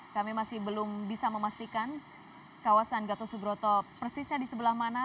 kami masih belum bisa memastikan kawasan gatot subroto persisnya di sebelah mana